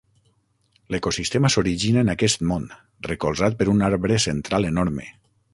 L'ecosistema s'origina en aquest món, recolzat per un arbre central enorme.